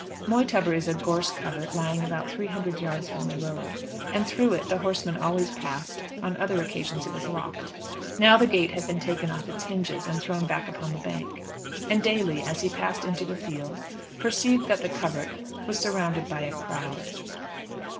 Moytubber is a gorse covert lying about three hundred yards from the road, and through it the horsemen always passed; on other occasions it was locked. Now the gate had been taken off its hinges and thrown back upon the bank; and Daly, as he passed into the field, perceived that the covert was surrounded by a crowd.